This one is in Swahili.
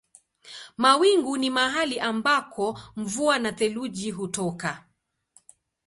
Mawingu ni mahali ambako mvua na theluji hutoka.